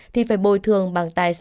thì phải bồi thường bằng các quy định